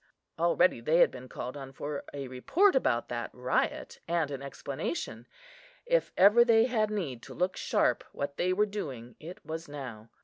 Already they had been called on for a report about that riot and an explanation; if ever they had need to look sharp what they were doing, it was now.